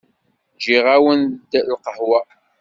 Giɣ-awen-d lqahwa.